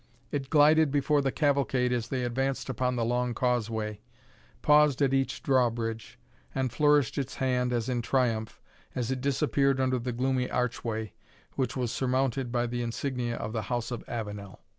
It glided before the cavalcade as they advanced upon the long causeway, paused at each drawbridge, and flourished its hand, as in triumph, as it disappeared under the gloomy archway, which was surmounted by the insignia of the house of Avenel.